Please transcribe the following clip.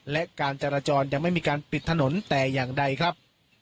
และการจราจรยังไม่มีการปิดถนนแต่อย่างใดครับ